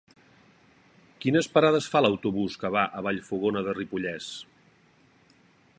Quines parades fa l'autobús que va a Vallfogona de Ripollès?